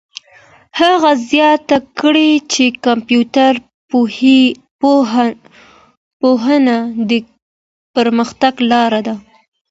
هغه زیاته کړه چي کمپيوټر پوهنه د پرمختګ لاره ده.